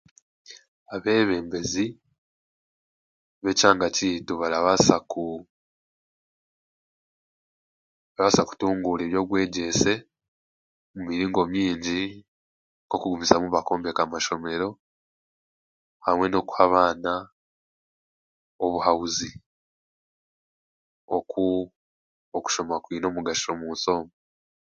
Abeebembezi b'ekyanga kyaitu barabaasa ku barabaasa kutunguura ebyobwegyese mu miringo mingi nk'okugumizamu bakombeka amashomero, hamwe n'okuha abaana obuhabuzi oku okushoma kwine omugasho omu nsi omu.